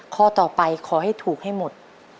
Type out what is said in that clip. ข้อต่อไปขอให้ถูกให้หมด